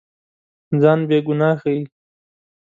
ځان بېګناه ښيي.